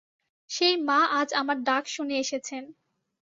সেই মা আজ আমার ডাক শুনে এসেছেন।